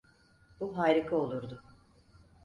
Bu harika olurdu.